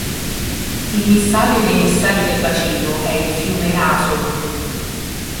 Immissario ed emissario del bacino è il fiume Aso.